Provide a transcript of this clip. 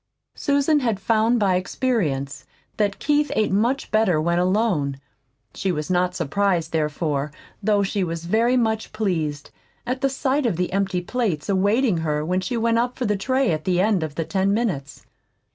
Susan had found by experience that Keith ate much better when alone. She was not surprised, therefore, though she was very much pleased at sight of the empty plates awaiting her when she went up for the tray at the end of the ten minutes.